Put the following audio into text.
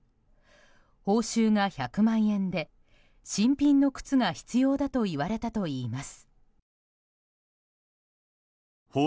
報酬が１００万円で新品の靴が必要だと言われたといいます。